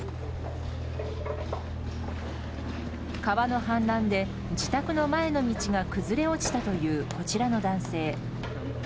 川の氾濫で自宅の前の道が崩れ落ちたというこちらの男性。